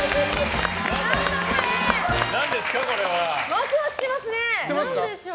ワクワクしますね。